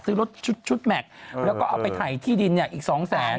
ซื้อรถชุดแม็กซ์แล้วก็เอาไปถ่ายที่ดินเนี่ยอีกสองแสน